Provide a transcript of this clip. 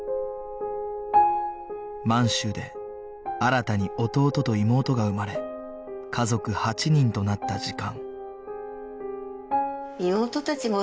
満州で新たに弟と妹が生まれ家族８人となった時間